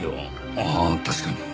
ああ確かに。